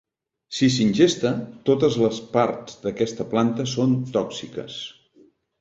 Si s'ingesta, totes les parts d'aquesta planta són tòxiques.